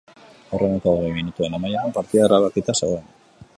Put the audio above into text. Aurreneko hogei minutuen amaieran partida erabakita zegoen.